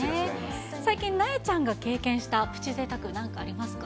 最近、なえちゃんが経験したプチぜいたく、なんかありますか？